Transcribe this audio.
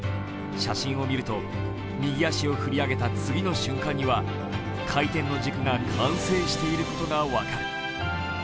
写真を見ると右足を振り上げた次の瞬間には回転の軸が完成していることが分かる。